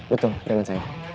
betul jangan sayang